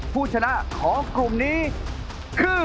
ผู้ชนะของกลุ่มนี้คือ